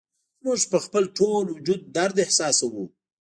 موږ په خپل ټول وجود درد احساسوو